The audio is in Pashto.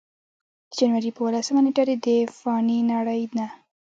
د جنورۍ پۀ اولسمه نېټه ددې فانې نړۍ نه